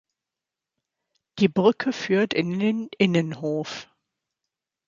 Die Brücke führt in den Innenhof.